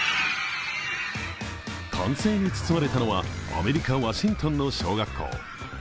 歓声に包まれたのは、アメリカ・ワシントンの小学校。